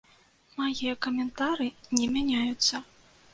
Мае каментары не мяняюцца!